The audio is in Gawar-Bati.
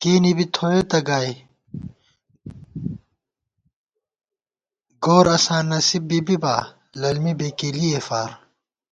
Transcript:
کېنےبی تھوئیتہ گائی گوراساں نصیب بی بِبا للمی بېکېلِئی فار